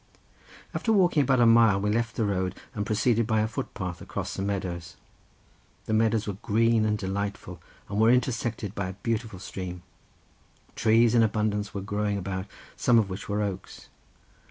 After walking about a mile we left the road and proceeded by a footpath across some meadows. The meadows were green and delightful, and were intersected by a beautiful stream. Trees in abundance were growing about, some of which were oaks.